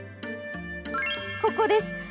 ここです！